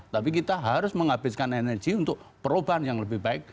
tapi kita harus menghabiskan energi untuk perubahan yang lebih baik